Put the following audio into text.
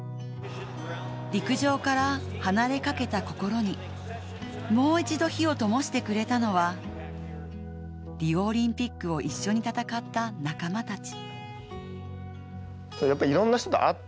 陸上から離れかけた心にもう一度火をともしてくれたのはリオオリンピックを一緒に戦った仲間たち。